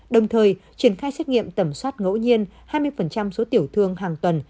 đồng thời triển khai xét nghiệm tẩm soát ngẫu nhiên hai mươi số tiểu thương hàng tuần